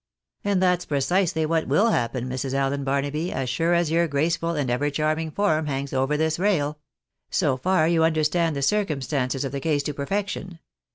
" And that's precisely what will happen, Mrs. Allen Barnaby, as stire as your graceful and ever charming form hangs over this rail. So far you understand the circumstances of the case to per fection.